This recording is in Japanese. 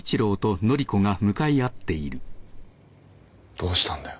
どうしたんだよ？